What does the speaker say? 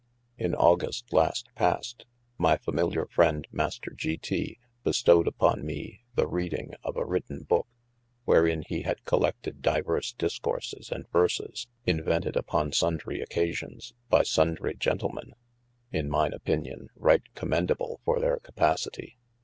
IN August last passed my familiar friend Master G. T. bestowed uppon me ye reading of a written Eooke, wherin he had collected divers discourses & verses, invented uppon sundrie occasions, by sundrie gentleme (in mine opinion) right commendable for their capacitie.